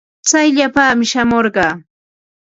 Tsayllapaami shamurqaa.